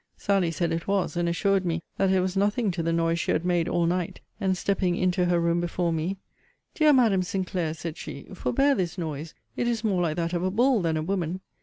Sally said it was; and assured me, that it was noting to the noise she had made all night; and stepping into her room before me, dear Madam Sinclair, said she, forbear this noise! It is more like that of a bull than a woman!